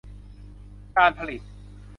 การผลิต